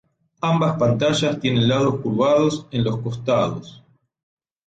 Ambas pantallas tienen lados curvados en los costados.